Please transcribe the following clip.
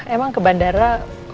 emang ke bandara